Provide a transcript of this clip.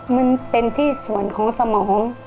มันเป็นที่ส่วนของสมอง